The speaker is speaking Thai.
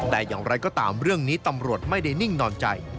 แต่อย่างไรก็ตามเรื่องนี้ตำรวจไม่ได้นิ่งนอนใจ